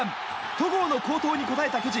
戸郷の好投に応えた巨人。